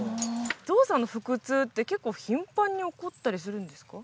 ゾウさんの腹痛って結構頻繁に起こったりするんですか？